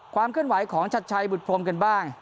ความเคลื่อนไหวของชัดชัยบุตพรมกันบ้าง